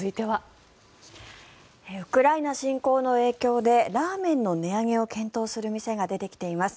ウクライナ侵攻の影響でラーメンの値上げを検討する店が出てきています。